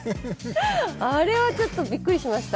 あれはちょっとびっくりしました。